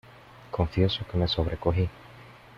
confieso que me sobrecogí.